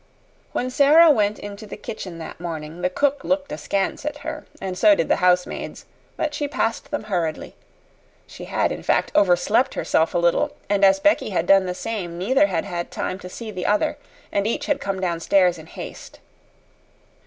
When Sara went into the kitchen that morning the cook looked askance at her, and so did the housemaids; but she passed them hurriedly. She had, in fact, overslept herself a little, and as Becky had done the same, neither had had time to see the other, and each had come downstairs in haste.